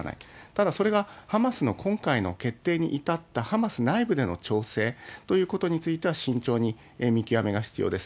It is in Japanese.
ただ、それがハマスの今回の決定に至ったハマス内部での調整ということについては慎重に見極めが必要です。